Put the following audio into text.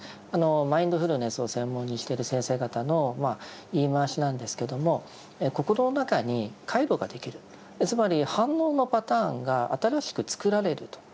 マインドフルネスを専門にしている先生方の言い回しなんですけどもつまり反応のパターンが新しくつくられると。